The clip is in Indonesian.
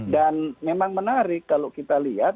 dan memang menarik kalau kita lihat